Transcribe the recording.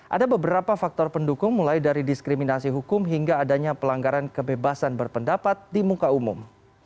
ada beberapa faktor pendukung mulai dari diskriminasi hukum hingga adanya pelanggaran kebebasan berpendapat di muka umum